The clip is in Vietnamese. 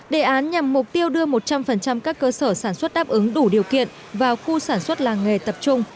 đề án nhằm mục tiêu đưa một trăm linh các cơ sở sản xuất đáp ứng đủ điều kiện vào khu sản xuất làng nghề tập trung